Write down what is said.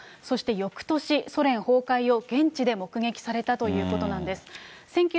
そしてよくとし、ソ連崩壊を現地で目撃されたということなんです。